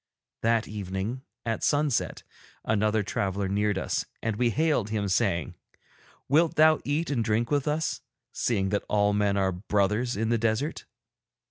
That evening, at sunset, another traveller neared us, and we hailed him, saying: 'Wilt thou eat and drink with us, seeing that all men are brothers in the desert?'